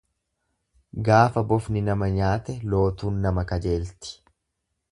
Gaafa bofni nama nyaate lootuun nama kajeelti.